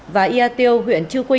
và ia tiêu